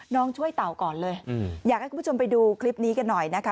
ช่วยเต่าก่อนเลยอยากให้คุณผู้ชมไปดูคลิปนี้กันหน่อยนะคะ